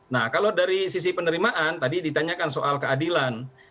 nah kalau dari sisi penerimaan tadi ditanyakan soal keadilan